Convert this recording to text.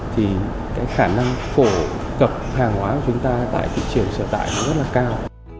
thì cái khả năng phổ cập hàng hóa của chúng ta tại thị trường sở tại nó rất là cao